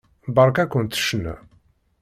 Beṛka-kent ccna.